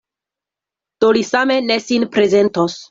Do li same ne sin prezentos.